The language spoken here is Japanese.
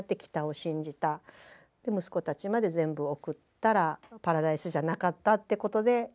で息子たちまで全部送ったらパラダイスじゃなかったってことで。